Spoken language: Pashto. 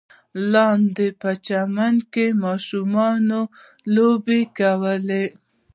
لاندې په چمن کې ماشومانو لوبې کولې.